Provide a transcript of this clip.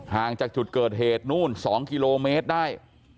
ห่างจากจุดเกิดเหตุนู่น๒กิโลเมตรได้